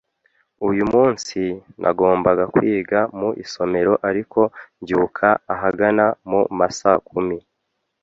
Uyu munsi, nagombaga kwiga mu isomero ariko mbyuka ahagana mu ma saa kumi.